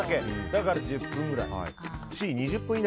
だから１０分ぐらい。